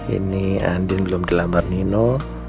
ini andin belum dilamar nino